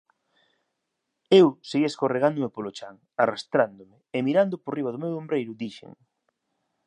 Eu seguía escorregando polo chan, arrastrándome, e mirándoo por riba do meu ombreiro dixen: